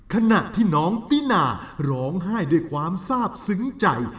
ขณะที่น้องตินาร้องไห้ด้วยความทราบซึ้งใจ